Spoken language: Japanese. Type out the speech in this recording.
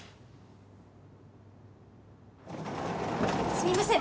すみません。